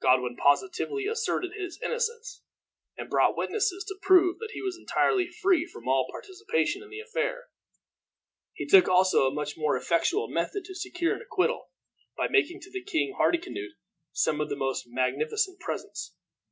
Godwin positively asserted his innocence, and brought witnesses to prove that he was entirely free from all participation in the affair. He took also a much more effectual method to secure an acquittal, by making to King Hardicanute some most magnificent presents.